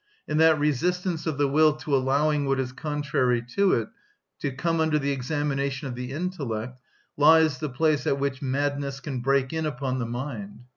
In that resistance of the will to allowing what is contrary to it to come under the examination of the intellect lies the place at which madness can break in upon the mind.